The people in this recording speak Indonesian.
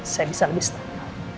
saya bisa lebih senang